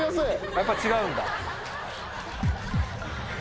やっぱり違うんだ。